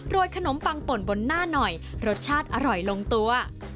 ขนมปังป่นบนหน้าหน่อยรสชาติอร่อยลงตัว